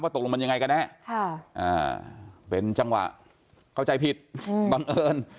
ตกลงมันยังไงกันแน่เป็นจังหวะเข้าใจผิดบังเอิญ